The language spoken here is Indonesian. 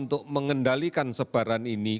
untuk mengendalikan sebaran ini